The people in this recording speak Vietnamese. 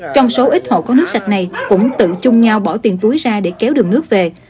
trong số ít hộ có nước sạch này cũng tự chung nhau bỏ tiền túi ra để kéo đường nước về